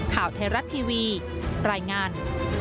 ข่าวไทยรัฐทีวีรายงาน